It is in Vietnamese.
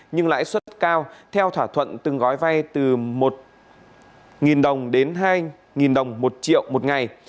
nhưng lãi suất cao theo thỏa thuận từng gói vay từ một đồng đến hai đồng một triệu một ngày